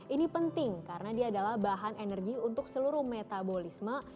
ini penting karena dia adalah bahan energi untuk seluruh metabolisme